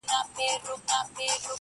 عزراییل دي ستا پر عقل برابر سي٫